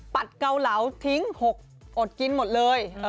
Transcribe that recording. เกาเหลาทิ้ง๖อดกินหมดเลย